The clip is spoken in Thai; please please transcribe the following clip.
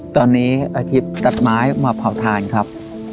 ตอนนี้อาทิตย์ตัดไม้มาเผาทานครับ